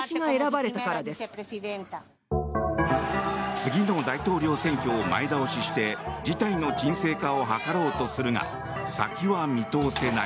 次の大統領選挙を前倒しして事態の鎮静化を図ろうとするが先は見通せない。